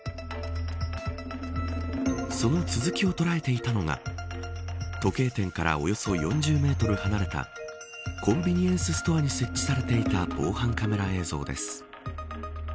その続きを捉えていたのが時計店からおよそ４０メートル離れたコンビニエンスストアに設置されていた防犯カメラ映像です。